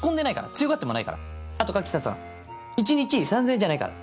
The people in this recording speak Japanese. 強がってもないからあと柿田さん一日３０００円じゃないから。